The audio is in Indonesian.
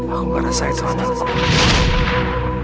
aku gak rasa itu anakku